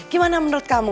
gimana menurut kamu